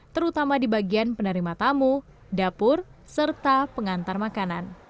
terutama di bagian penerima tamu dapur serta pengantar makanan